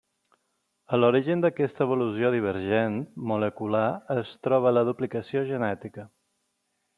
A l'origen d'aquesta evolució divergent molecular es troba la duplicació gènica.